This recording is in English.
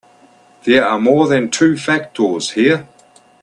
There are more than two factors here.